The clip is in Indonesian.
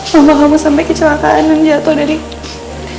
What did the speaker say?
mama kamu sampe kecelakaan dan jatoh dari kudanya